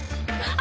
あ。